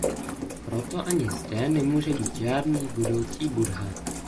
Proto ani zde nemůže být žádný budoucí Buddha.